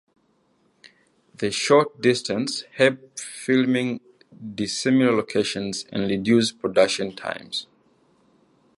The short distances help filming dissimilar locations and reduce production times.